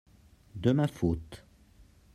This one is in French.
de ma faute.